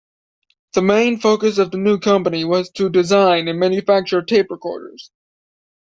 The main focus of the new company was to design and manufacture tape recorders.